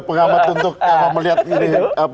pengamat untuk melihat ini